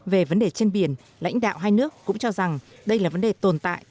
về vấn đề trên biển lãnh đạo hai nước cũng cho rằng đây là vấn đề tồn tại